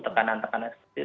tekanan tekanan seperti itu